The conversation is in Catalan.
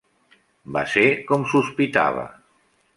Va ser com sospitava.